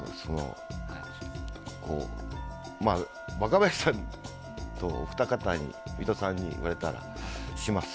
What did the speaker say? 若林さんと水卜さんに言われたらします。